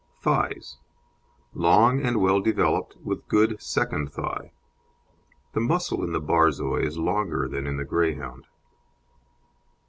THIGHS Long and well developed, with good second thigh. The muscle in the Borzoi is longer than in the Greyhound.